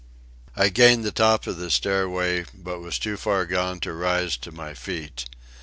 I gained the top of the stairway, but was too far gone to rise to my feet.